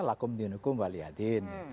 lakum dinukum waliyadin